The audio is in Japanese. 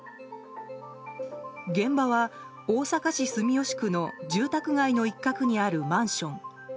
現場は大阪市住吉区の住宅街の一角にあるマンション。